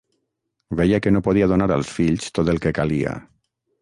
Veia que no podia donar als fills tot el que calia.